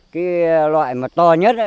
cái loại mà to nhất